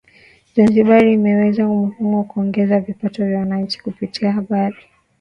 Zanzibar imeweka umuhimu wa kuongeza vipato vya wananchi kupitia bahari